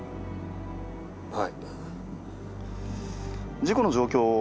はい。